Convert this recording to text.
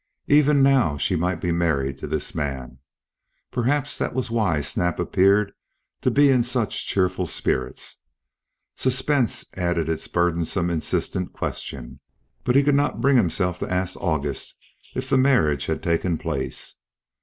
Even now she might be married to this man. Perhaps that was why Snap appeared to be in such cheerful spirits. Suspense added its burdensome insistent question, but he could not bring himself to ask August if the marriage had taken place.